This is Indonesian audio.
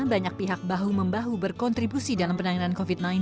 banyak pihak bahu membahu berkontribusi dalam penanganan covid sembilan belas